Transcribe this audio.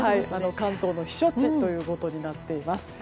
関東の避暑地ということになっています。